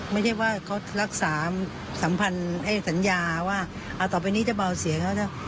ไม่ใช่ว่าเขารักษาสัญญาว่าต่อไปนี้จะเบาเสียง